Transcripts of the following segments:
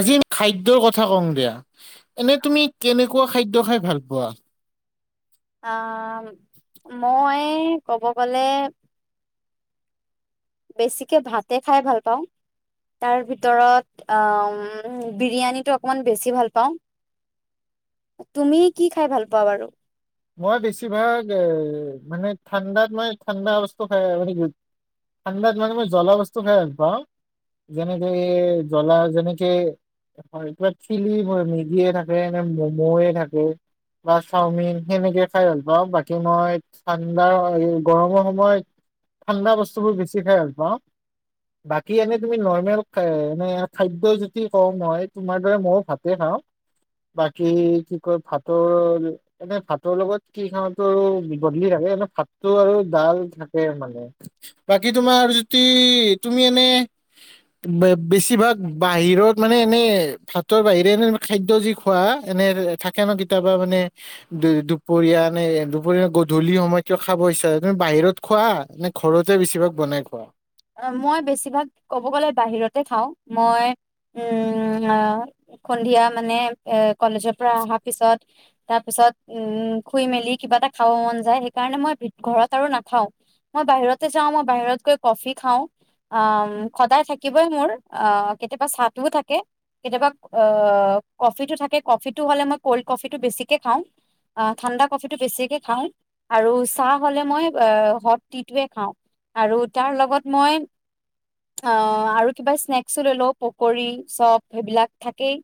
আজি খাদ্যয়ৰ কথা কওঁ দিয়া এনে তুমি কেনেকুৱা খাদ্য খাই ভাল পা কোৱা সেই কব গলে বেছিকে ভাতে খাই ভাল পাওঁ তাৰ ভিতৰত আহ বিৰিয়ানীটো অকমান বেছি ভাল পাওঁ তুমি কি খাই ভাল পোৱা বাৰু মই বেছিভাগ এ মানে ঠাণ্ডাত মই ঠাণ্ডা বস্তু খাই মানে কি ঠাণ্ডাত মানে মই জ্বলা বস্তু খাই ভাল পাওঁ যেনেকে জ্বলা যেনেকে কিবা ঠিলি মেগিয়ে থাকে ম'ম'য়ে থাকে বা চাওমিন সেনেকে খাই ভাল পাওঁ বাকী মই ঠাণ্ডা গৰমৰ সময়ত ঠাণ্ডা বস্তুবোৰ বেছি খাই ভাল পাওঁ বাকী এনেই তুমি নৰ্মেল এনে খাদ্য যদি কওঁ মই তোমাৰ দৰে ময়ো ভাতে খাওঁ বাকী কি কয় ভাতৰ এনে ভাত ভাতৰ লগত কি খাও আৰু বদলি থাকে এ ভাতটো আৰু ডাল থাকে মানে বাকি তোমাৰ যদি তুমি এনে বেছিভাগ বাহিৰত মানে এনে ভাতৰ বাহিৰে এনে মানে খাদ্য যি খোৱা এনে থাকে ন কেতিয়াবা মানে দুপৰিয়া নে দুপৰীয়া গধূলি সময়ত কিয় খাব ইচ্ছা তুমি বাহিৰত খোৱা নে ঘৰতে বেছিভাগ বনাই খোৱা মই বেছিভাগ ক'ব গলে বাহিৰতে খাওঁ মই উম সন্ধিয়া মানে কলেজৰ পৰা অহা পিছত তাৰ পিছত উ শুই মেলি কিবা এটা খাব মন যায় সেইকাৰণে মই ঘৰত আৰু নাখাও মই বাহিৰতে যাওঁ মই বাহিৰত গৈ কফি খাওঁ সদায় থাকিবই মোৰ আহ কেতিয়াবা চাহটোও থাকে কেতিয়াবা কফিটো থাকে কফিটো হলে মই কল্ড কফিটো বেছিকে খাওঁ ঠাণ্ডা কফিটো বেছিকে খাওঁ আৰু চাহ হ'লে মই হট টিটয়ে খাওঁ আৰু তাৰ লগত মই অ আৰু কিবা স্নেক্স লৈ লওঁ পকৰী চপ সেইবিলাক থাকেই।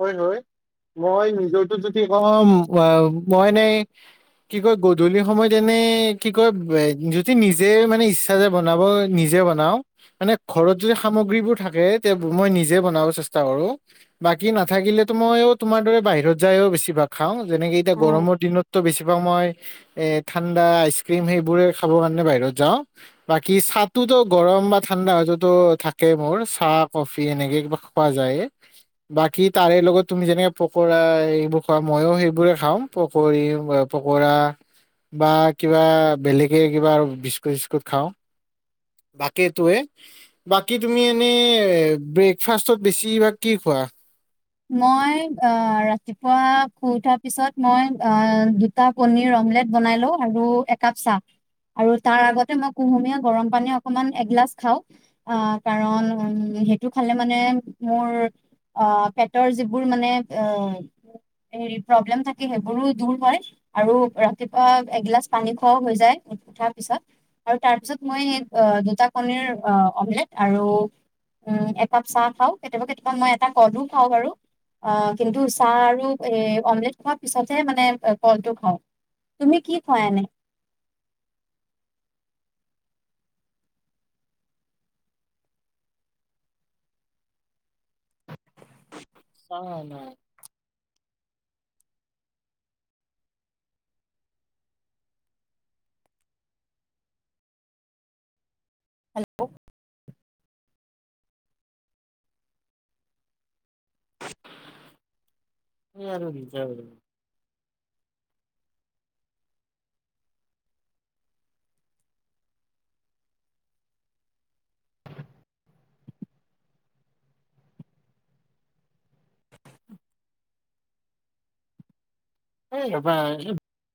হয় হয় মই নিজৰটো যদি কওঁ মই এনে কি কয় গধূলি সময়ত এনে কি কয় যদি নিজে মানে ইচ্ছা ৰে বনাব নিজে বনাওঁ মানে ঘৰত যদি সামগ্ৰীবোৰ থাকে তে মই নিজে বনাব চেষ্টা কৰো বাকী নাথাকিলেতো মই তোমাৰ দৰে বাহিৰত যায়ও বেছিভাগ খাওঁ যেনেকে এতিয়া গৰমৰ দিনতো বেছিভাগ মই এ ঠাণ্ডা আইচক্ৰীম সেইবোৰে খাব কাৰণে বাহিৰত যাওঁ বাকী চাহোতো গৰম বা ঠাণ্ডা হততো থাকে মোৰ চাহ কফি এনেকে কিব খোৱা যায় বাকী তাৰে লগত তুমি যেনেকে পকোৰা এইবোৰ খোৱা ময়ো সেইবোৰে খাওঁ পকৰি পকৰা বা কিবা বেলেগে কিবা বিস্কুট চি্কুট খাওঁ বাকীএইটোৱে। বাকী তুমি এনে ব্ৰেকফাষ্টত বেছি বা কি খোৱা? মই ৰাতিপুৱা শুই উঠাৰ পিছত মই দুটা পনিৰ অমলেট বনাই লওঁ আৰু একাপ চাহ আৰু তাৰ আগতে মই কুহুমীয়া গৰম পানী অকমান এগিলাচ খাওঁ কাৰণ সেইটো খালে মানে মোৰ অ পেটৰ যিবোৰ মানে হেৰি প্ৰব্লেম থাকে সেইবোৰো দূৰ হয় আৰু ৰাতিপুৱা এগিলাচ পানী খোৱাও হৈ যায় উঠাৰ পিছত আৰু তাৰ পিছত মই স দুটা কণীৰ অমলেট আৰু একাপ চাহ খাওঁ কেতিয়াবা কেতিয়াবা মই এটা কল ও খাও বাৰু অ কিন্তু চাহ আৰু এ অমলেট খোৱাৰ পিছতহে মানে কলটো খাওঁ। তুমি কি খুৱাই এনে? অ হেল্ল' কি কৰো হিংসা কৰিম সেই ৰবা সেই